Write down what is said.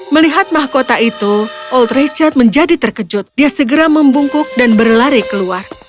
melihat mahkota itu old richard menjadi terkejut dia segera membungkuk dan berlari keluar